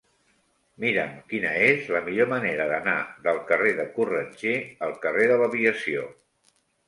Mira'm quina és la millor manera d'anar del carrer de Corretger al carrer de l'Aviació.